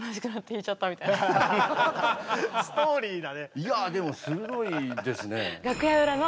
いやでも鋭いですね。